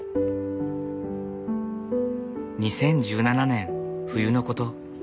２０１７年冬のこと。